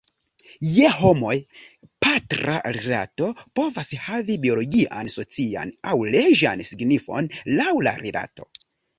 Je homoj, patra rilato povas havi biologian, socian, aŭ leĝan signifon, laŭ la rilato.